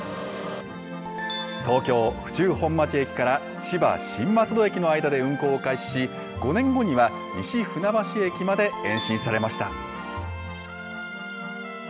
東京・府中本町駅から千葉・新松戸駅の間で運行を開始し、５年後には西船橋駅まで延伸されました。